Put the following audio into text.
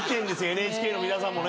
ＮＨＫの皆さんもね。